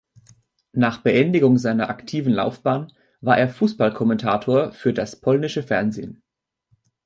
Nach Beendigung seiner aktiven Laufbahn war er Fußball-Kommentator für das polnische Fernsehen.